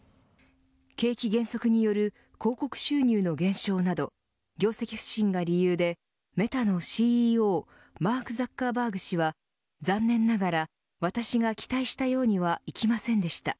景気減速による広告収入の減少など業績不振が理由でメタのＣＥＯマーク・ザッカーバーグ氏は残念ながら私が期待したようにはいきませんでした。